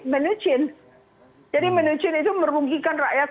menecin jadi menecin itu merugikan rakyat